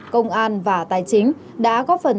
công an và tài chính đã góp phần